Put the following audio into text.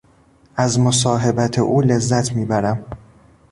از مصاحبت او لذت میبرم.